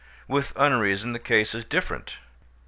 With unreason the case is different.